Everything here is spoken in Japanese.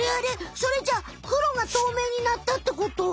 それじゃくろがとうめいになったってこと？